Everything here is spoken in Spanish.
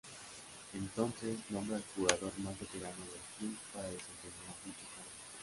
Entonces, nombra al jugador más veterano del club para desempeñar dicho cargo.